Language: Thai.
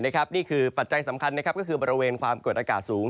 นี่คือปัจจัยสำคัญก็คือบริเวณความกดอากาศสูง